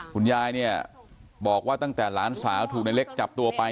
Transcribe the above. คุณยายเนี่ยบอกว่าตั้งแต่หลานสาวถูกในเล็กจับตัวไป